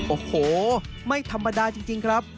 โอ้โหไม่ธรรมดาจริงครับ